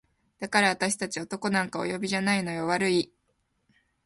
「だからあたし達男なんかお呼びじゃないのよ悪い？」